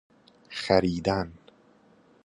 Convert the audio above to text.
خریدن